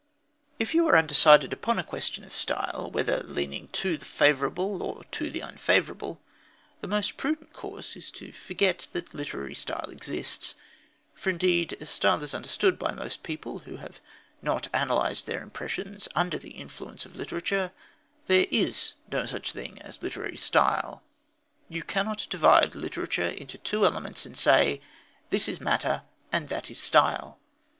If you are undecided upon a question of style, whether leaning to the favourable or to the unfavourable, the most prudent course is to forget that literary style exists. For, indeed, as style is understood by most people who have not analysed their impressions under the influence of literature, there is no such thing as literary style. You cannot divide literature into two elements and say: This is matter and that style.